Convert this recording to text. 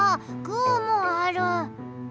グーもある。